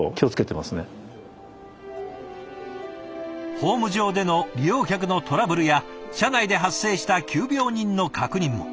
ホーム上での利用客のトラブルや車内で発生した急病人の確認も。